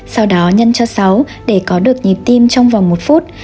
sau đó nhân cho sáu để có được nhịp tim trong vòng một phút